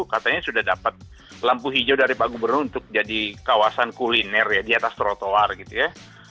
katanya sudah dapat lampu hijau dari pak gubernur untuk jadi kawasan kuliner ya di atas trotoar gitu ya